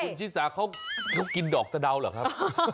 พี่จี๊สาเขากินดอกสะเดาหรอครับ